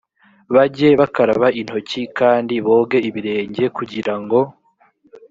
bajye bakaraba intoki kandi boge ibirenge kugira ngo